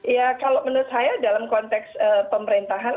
ya kalau menurut saya dalam konteks pemerintahan